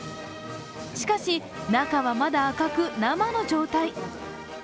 しかし、中はまだ赤く生の状態。